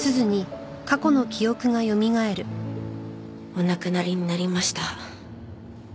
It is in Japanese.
お亡くなりになりました。